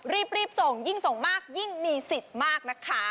รีบส่งยิ่งส่งมากยิ่งมีสิทธิ์มากนะคะ